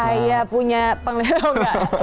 saya punya penglihatan